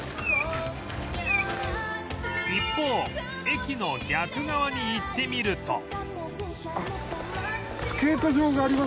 一方駅の逆側に行ってみると